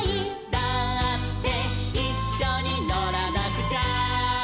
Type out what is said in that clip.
「だっていっしょにのらなくちゃ」